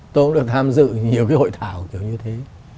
tôi cũng được tham dự nhiều cái hội thảo kiểu như thế